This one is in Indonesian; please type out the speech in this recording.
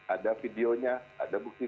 ada videonya ada bukti